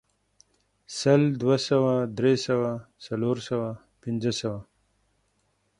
سل، دوه سوه، درې سوه، څلور سوه، پنځه سوه